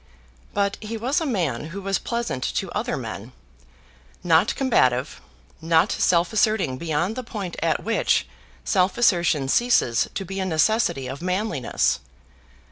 But he was a man who was pleasant to other men, not combative, not self asserting beyond the point at which self assertion ceases to be a necessity of manliness.